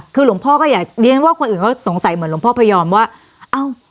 คือหลวงพ่อก็อยากเรียนว่าคนอื่นเขาสงสัยเหมือนหลวงพ่อพยอมว่าเอ้า